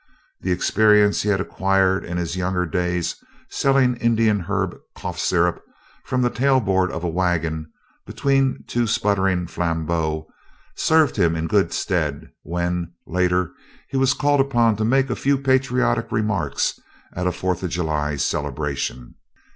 The experience he had acquired in his younger days selling Indian Herb Cough Syrup from the tailboard of a wagon, between two sputtering flambeaux, served him in good stead when, later, he was called upon to make a few patriotic remarks at a Fourth of July Celebration.